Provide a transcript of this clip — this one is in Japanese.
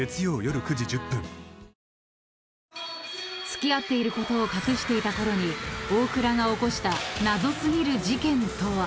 ［付き合っていることを隠していたころに大倉が起こした謎過ぎる事件とは？］